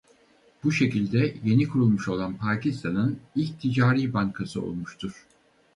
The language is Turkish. Bu şekilde yeni kurulmuş olan Pakistan'ın ilk ticari bankası olmuştur.